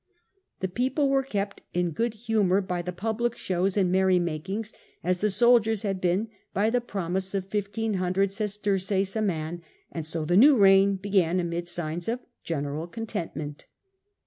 The people were kept in good humour by the public shows and merrymakings, as the soldiers had been by the promise of fifteen hundred ses terces a man ; and so the new reign began amid signs of general contentment.